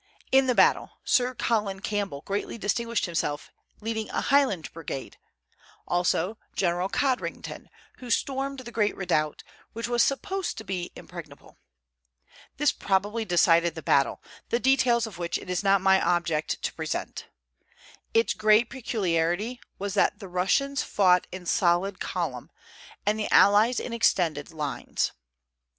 In the battle, Sir Colin Campbell greatly distinguished himself leading a Highland brigade; also General Codrington, who stormed the great redoubt, which was supposed to be impregnable. This probably decided the battle, the details of which it is not my object to present. Its great peculiarity was that the Russians fought in solid column, and the allies in extended lines.